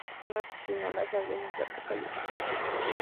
Magma es una asesina a las órdenes de Apocalipsis.